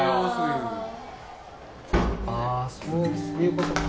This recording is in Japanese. ああそういうことか